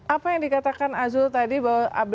apa yang dikatakan azul tadi bahwa